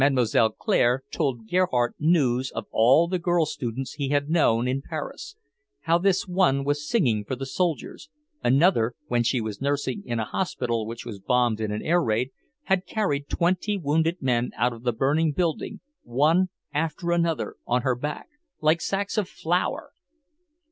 Mlle. Claire told Gerhardt news of all the girl students he had known in Paris: how this one was singing for the soldiers; another, when she was nursing in a hospital which was bombed in an air raid, had carried twenty wounded men out of the burning building, one after another, on her back, like sacks of flour.